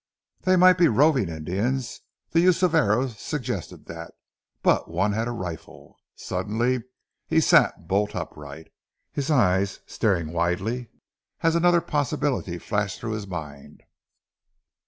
They might be roving Indians. The use of arrows suggested that, but one had a rifle Suddenly he sat bolt upright, his eyes staring widely, as another possibility flashed through his mind.